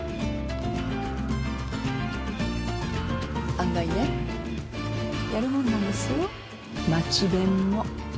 案外ねやるもんなんですよ町弁も。